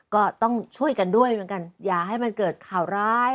ก็ต้องช่วยกันด้วยเหมือนกันอย่าให้มันเกิดข่าวร้าย